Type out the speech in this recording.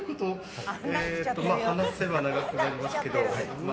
えーっと話せば長くなりますけど。